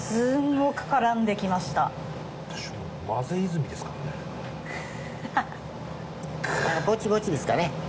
ぼちぼちですかね。